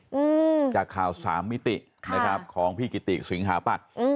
อืมจากข่าวสามมิตินะครับของพี่กิติสิงหาปัตย์อืม